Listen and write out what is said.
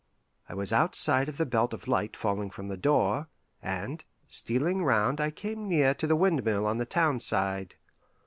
I was outside of the belt of light falling from the door, and stealing round I came near to the windmill on the town side.